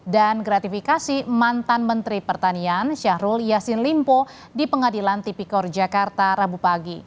dan gratifikasi mantan menteri pertanian syahrul yassin limpo di pengadilan tipikor jakarta rabu pagi